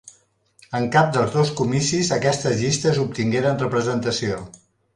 En cap dels dos comicis aquestes llistes obtingueren representació.